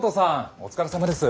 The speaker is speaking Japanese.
お疲れさまです。